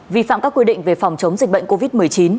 vi phạm các quy định về phòng chống dịch bệnh covid một mươi chín